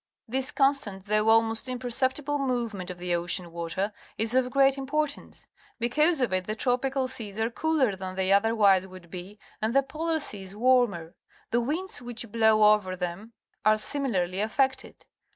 This_con^tant^though almost impercep tible movement of the ocean water is of great importajice.. _ Because of it the tropi cal seas are cooler than the}' otherwise ^yould be and the polar seas warmer. The winds which blow over them are similarly affected.